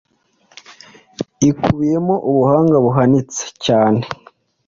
ikubiyemo ubuhanga buhanitse cyane